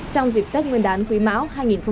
trong dịp tết nguyên đán quý máu hai nghìn hai mươi ba